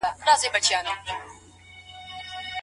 د خاوند او ميرمني تر منځ د جماع حلالوالی څه حکم لري؟